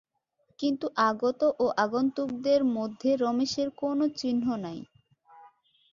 কিন্তু আগত ও আগন্তুকদের মধ্যে রমেশের কোনো চিহ্ন নাই।